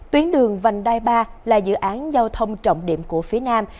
tuyến đường vành đai ba là dự án giao thông trọng điểm của phía nam